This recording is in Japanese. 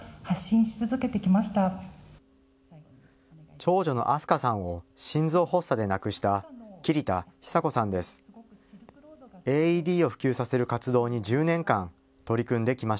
長女の明日香さんを心臓発作で亡くした桐田寿子さんです。